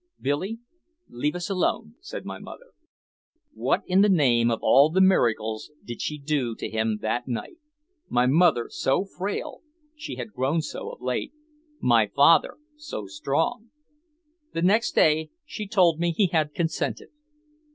"Billy, leave us alone," said my mother. What in the name of all the miracles did she do to him that night my mother so frail (she had grown so of late), my father so strong? The next day she told me he had consented.